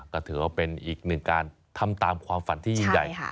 ก็ถือว่าเป็นอีกหนึ่งการทำตามความฝันที่ยิ่งใหญ่